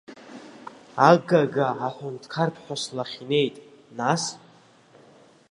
Агага аҳәынҭқарԥҳәыс лахь инеит, нас?